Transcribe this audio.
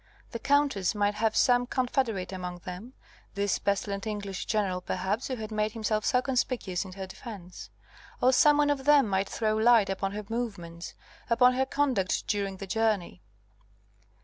The Countess might have some confederate among them this pestilent English General, perhaps, who had made himself so conspicuous in her defence; or some one of them might throw light upon her movements, upon her conduct during the journey.